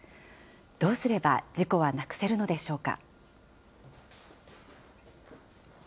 どうすれば事故はなくせるのでしょうか。